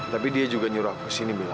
tapi dia juga nyuruh aku sini belara